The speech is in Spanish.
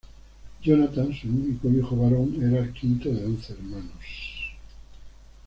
Jonathan, su único hijo varón, era el quinto de once hermanas.